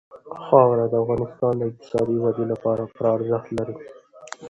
خاوره د افغانستان د اقتصادي ودې لپاره پوره ارزښت لري.